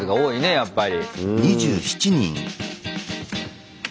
やっぱり。